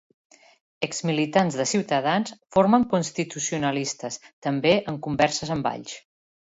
Exmilitants de Ciutadans formen Constitucionalistes, també en converses amb Valls.